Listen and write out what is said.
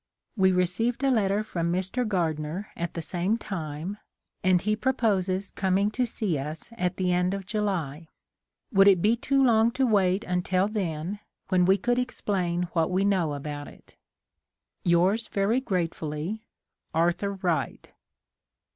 We received a letter from Mr. Gardner at the same time, and he proposes coming to see us at the end of July. Would it be too long to wait until then, when we could explain what we know about it? Yours very gratefully, Arthur Wright.